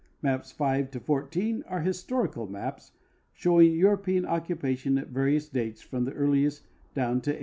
Maps 5 to 14 are historical maps, showing Euro))ean occupation at various dates from the earliest down to 1814.